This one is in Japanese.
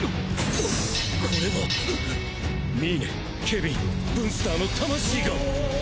これはミイネケビンブンスターの魂が。